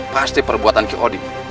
pasti perbuatan kio oding